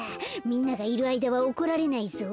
みんながいるあいだは怒られないぞ。